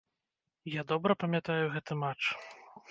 Я добра памятаю гэты матч.